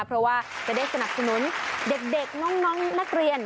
เพราะว่าจะได้สนับสนุนเด็กน้องนักเรียน